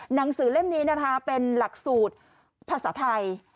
หนังสือเล่มนี้นะคะเป็นหลักสูตรภาษาไทย